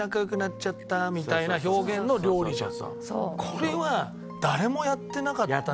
これは誰もやってなかったんじゃない？